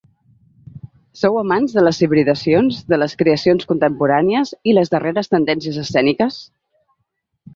Sou amants de les hibridacions, de les creacions contemporànies i les darreres tendències escèniques?